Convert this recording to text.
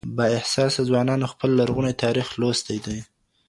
بااحساسه ځوانانو خپل لرغونی تاريخ لوستی دی.